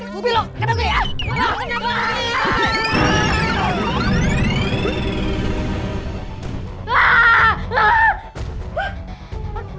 bung bwi lo kenaav ragi ah